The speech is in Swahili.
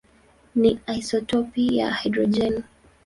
ni isotopi ya hidrojeni.